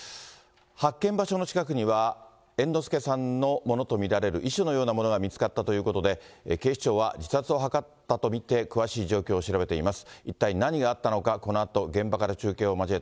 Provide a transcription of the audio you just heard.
発見場所の近くには猿之助さんのものと見られる遺書のようなものが見つかったということで、警視庁は自殺を図ったと見て詳しい状況を調べています。